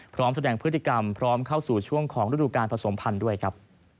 พร้อมแสดงพฤติกรรมพร้อมเข้าสู่ช่วงของฤดูการผสมพันธุ์ด้วยครับ